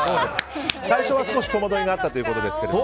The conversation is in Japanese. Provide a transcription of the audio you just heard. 最初は少し戸惑いがあったということですけど。